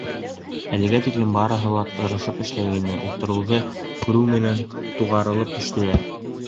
Әлегә тиклем барыһы ла тырышып эшләй ине, утрауҙы күреү менән туғарылып төштөләр.